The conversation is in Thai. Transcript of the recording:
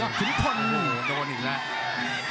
โอ้โหโดนอยู่แล้ว